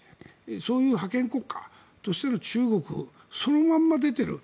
そういう覇権国家としての中国そのままが出ている。